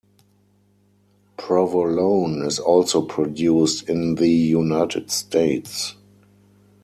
Provolone is also produced in the United States.